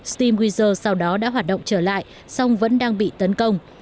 steamwiser sau đó đã hoạt động trở lại song vẫn đang bị tấn công